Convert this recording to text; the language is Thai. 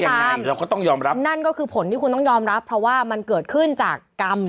อย่างนั้นเราก็ต้องยอมรับนั่นก็คือผลที่คุณต้องยอมรับเพราะว่ามันเกิดขึ้นจากกรรม